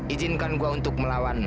izinkan saya untuk melawanmu